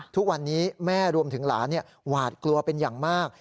ทุกวันนี้แม่รวมถึงหลานหวาดกลัวเป็นอย่างมาก